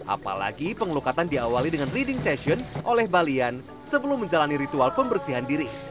apalagi pengelukatan diawali dengan leading session oleh balian sebelum menjalani ritual pembersihan diri